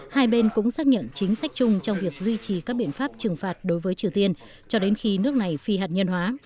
hai bên cũng xác nhận chính sách chung trong việc duy trì các biện pháp trừng phạt đối với triều tiên cho đến khi nước này phi hạt nhân hóa